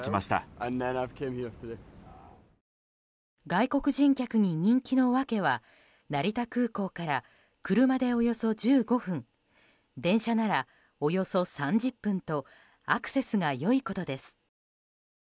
外国人客に人気の訳は成田空港から車でおよそ１５分電車ならおよそ３０分とアクセスが良いことです。